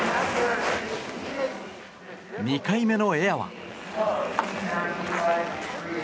２回目のエアは。